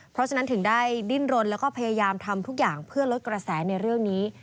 เพราะฉะนั้นถึงได้ดิ้นรนแล้วก็พยายามทำทุกอย่างเพื่อลดกระแสในเรื่องนี้